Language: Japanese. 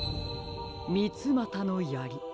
みつまたのやり。